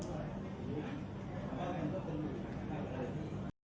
โปรดติดตามตอนต่อไป